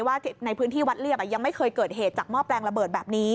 ว่าในพื้นที่วัดเรียบยังไม่เคยเกิดเหตุจากหม้อแปลงระเบิดแบบนี้